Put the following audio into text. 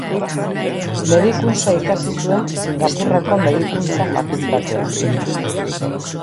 Medikuntza ikasi zuen Singapurreko Medikuntza fakultatean.